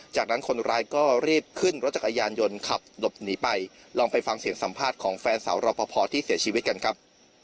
จากนั้นคนร้ายก็รีบขึ้นรถจักรยานยนต์ขับหลบหนีไปลองไปฟังเสียงสัมภาษณ์ของแฟนสาวรอปภที่เสียชีวิตกันครับ